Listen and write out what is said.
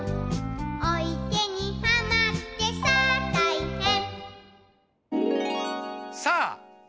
「おいけにはまってさあたいへん」